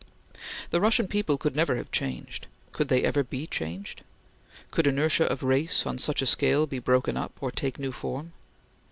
The Russian people could never have changed could they ever be changed? Could inertia of race, on such a scale, be broken up, or take new form?